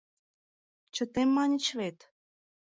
— Чытем маньыч вет?